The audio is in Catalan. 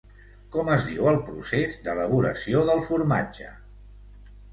Com es diu el procés d'elaboració del formatge?